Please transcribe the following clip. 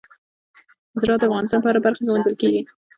زراعت د افغانستان په هره برخه کې موندل کېږي.